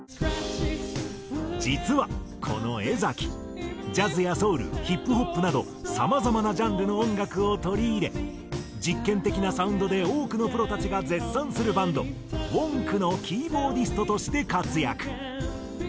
実はこの江ジャズやソウルヒップホップなどさまざまなジャンルの音楽を取り入れ実験的なサウンドで多くのプロたちが絶賛するバンドＷＯＮＫのキーボーディストとして活躍。